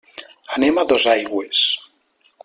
Anem a Dosaigües.